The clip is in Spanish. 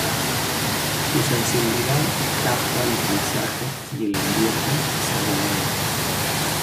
Su sensibilidad capta el paisaje y el ambiente salvadoreño.